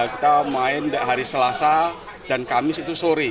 kita main hari selasa dan kamis itu sore